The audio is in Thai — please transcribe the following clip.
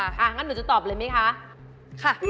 อ่ะงั้นหนูจะตอบเลยมั้ยคะค่ะ